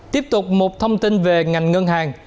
tiếp tục một thông tin về ngành ngân hàng